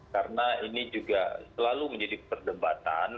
karena ini juga selalu menjadi perdebatan